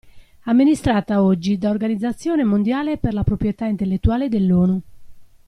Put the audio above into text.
Amministrata oggi da Organizzazione mondiale per la proprietà intellettuale dell'ONU.